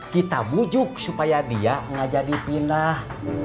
kita wujud supaya dia tidak jadi pindah